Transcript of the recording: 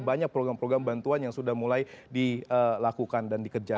banyak program program bantuan yang sudah mulai dilakukan dan dikerjakan